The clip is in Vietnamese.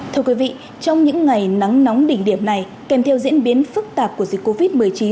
thưa quý vị trong những ngày nắng nóng đỉnh điểm này kèm theo diễn biến phức tạp của dịch covid một mươi chín